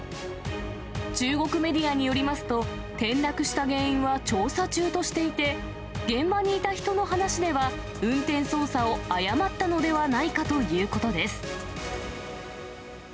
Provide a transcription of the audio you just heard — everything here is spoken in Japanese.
中国メディアによりますと、転落した原因は調査中としていて、現場にいた人の話では、運転操作を誤ったのではないかということです。